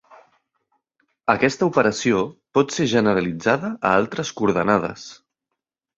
Aquesta operació pot ser generalitzada a altres coordenades.